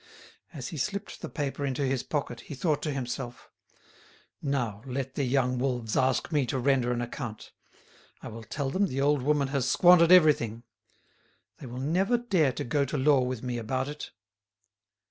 As he slipped the paper into his pocket, he thought to himself, "Now, let the young wolves ask me to render an account. I will tell them the old woman has squandered everything. They will never dare to go to law with me about it."